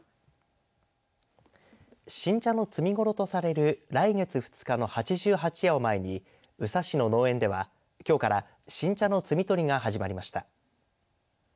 新茶の摘みごろとされる来月２日の八十八夜を前に宇佐市の農園ではきょうから新茶の摘み取りが始まりました。